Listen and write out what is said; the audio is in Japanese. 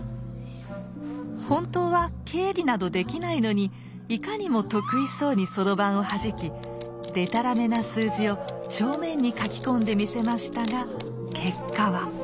本当は経理などできないのにいかにも得意そうにそろばんをはじきでたらめな数字を帳面に書き込んでみせましたが結果は。